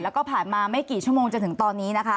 แล้วก็ผ่านมาไม่กี่ชั่วโมงจนถึงตอนนี้นะคะ